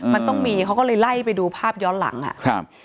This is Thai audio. มันต้องมีเขาก็เลยไล่ไปดูภาพย้อนหลังอ่ะครับ